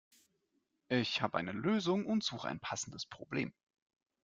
Ich habe eine Lösung und suche ein passendes Problem.